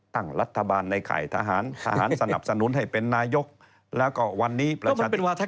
ตั้งรัฐบาลในข่ายทหารทหารสนับสนุนให้เป็นนายกแล้วก็วันนี้ประชาธิปัตย